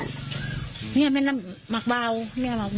สที่มันคือกริษล่ะครับ